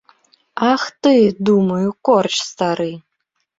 Ах ты, думаю, корч стары!